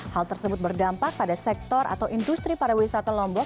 hal tersebut berdampak pada sektor atau industri pariwisata lombok